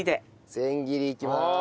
千切りいきまーす。